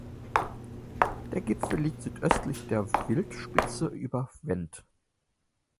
Der Gipfel liegt südöstlich der Wildspitze über Vent.